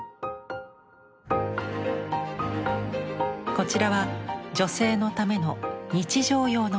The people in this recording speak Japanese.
こちらは女性のための日常用の義足。